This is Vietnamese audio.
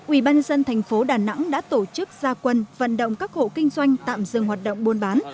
ubnd thành phố đà nẵng đã tổ chức gia quân vận động các hộ kinh doanh tạm dừng hoạt động buôn bán